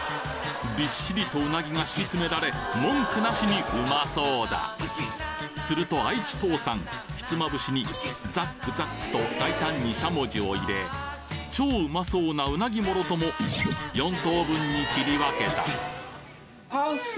びっしりとうなぎが引き詰められ文句なしにうまそうだすると愛知父さんひつまぶしにざっくざっくと大胆にしゃもじを入れ超うまそうなうなぎもろとも４等分に切り分けた